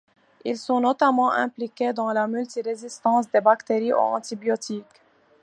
Ils sont notamment impliqués dans la multi-résistance des bactéries aux antibiotiques.